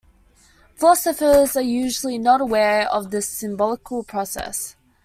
Philosophers are usually not aware of this symbolical process.